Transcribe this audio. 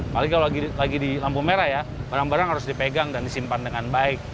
apalagi kalau lagi di lampu merah ya barang barang harus dipegang dan disimpan dengan baik